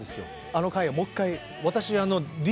あの回をもう一回。